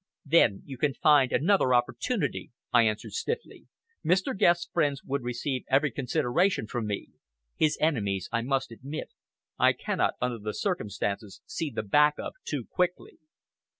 "Then you can find another opportunity," I answered stiffly. "Mr. Guest's friends would receive every consideration from me. His enemies, I must admit, I cannot, under the circumstances, see the back of too quickly."